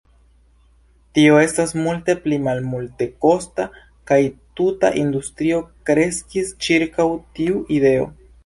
Tio estas multe pli malmultekosta, kaj tuta industrio kreskis ĉirkaŭ tiu ideo.